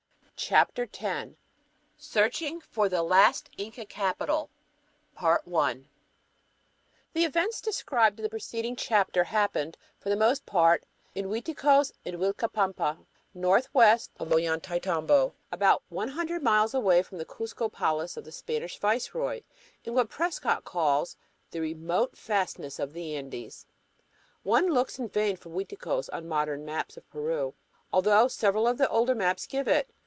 CHAPTER X Searching for the Last Inca Capital The events described in the preceding chapter happened, for the most part, in Uiticos and Uilcapampa, northwest of Ollantaytambo, about one hundred miles away from the Cuzco palace of the Spanish viceroy, in what Prescott calls "the remote fastnesses of the Andes." One looks in vain for Uiticos on modern maps of Peru, although several of the older maps give it.